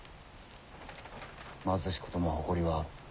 貧しくとも誇りはある。